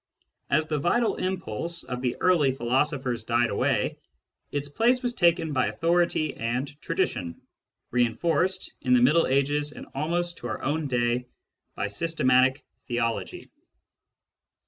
As the vital impulse of the early philo sophers died away, its place was taken by authority and tradition, reinforced, in the Middle Ages and almost to our own day, by systematic theology.